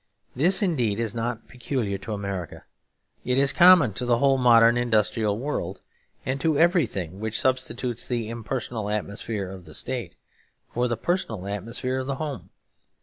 This indeed is not peculiar to America; it is common to the whole modern industrial world, and to everything which substitutes the impersonal atmosphere of the State for the personal atmosphere of the home.